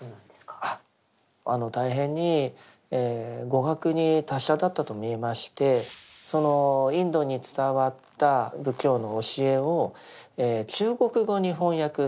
あの大変に語学に達者だったとみえましてそのインドに伝わった仏教の教えを中国語に翻訳された最初期の方です。